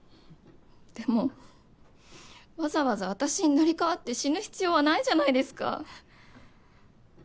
でもわざわざ私に成り代わって死ぬ必要はないじゃないですか。